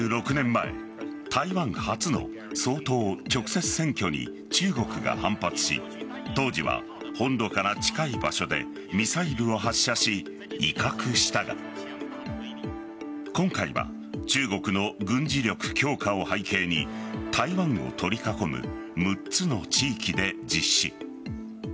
前台湾初の総統直接選挙に中国が反発し当時は本土から近い場所でミサイルを発射し威嚇したが今回は中国の軍事力強化を背景に台湾を取り囲む６つの地域で実施。